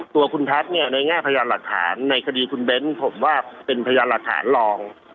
ตัวคุณทัศน์เนี่ยในแง่พยานหลักฐานในคดีคุณเบ้นผมว่าเป็นพยานหลักฐานรอง